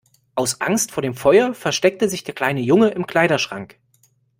Aus Angst vor dem Feuer versteckte sich der kleine Junge im Kleiderschrank.